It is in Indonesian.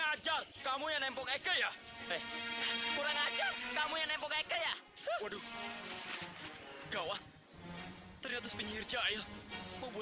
ada kodok di bantura eka